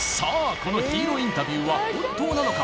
このヒーローインタビューは本当なのか？